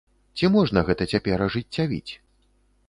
Ці можна гэта цяпер ажыццявіць?